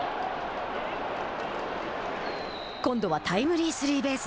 今度はタイムリースリーベース。